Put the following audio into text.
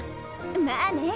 まあね。